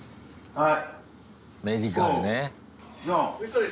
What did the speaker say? はい！